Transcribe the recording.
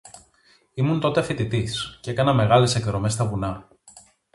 Ήμουν τότε φοιτητής, και έκανα μεγάλες εκδρομές στα βουνά